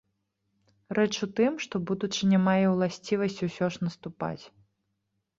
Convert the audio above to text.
Рэч у тым, што будучыня мае ўласцівасць усё ж наступаць.